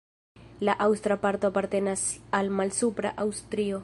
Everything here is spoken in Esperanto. La aŭstra parto apartenas al Malsupra Aŭstrio.